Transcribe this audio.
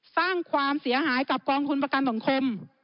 สร้างความเสียหายกับกองทุนประกันสังคม